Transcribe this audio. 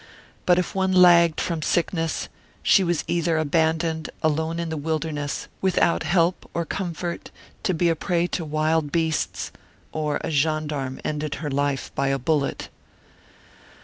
But if one lagged from sickness, she was either Martyred Armenia 15 abandoned, alone in the wilderness, without help or comfort, to be a prey to wild beasts, or a gendarme ended her life by a bullet.